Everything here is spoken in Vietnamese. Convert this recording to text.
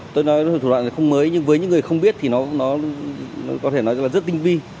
tôi nói một thủ đoạn không mới nhưng với những người không biết thì nó có thể nói là rất tinh vi